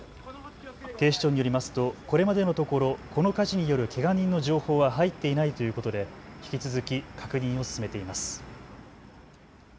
警視庁によりますとこれまでのところこの火事によるけが人の情報は入っていないということで引き続き確認を進めています。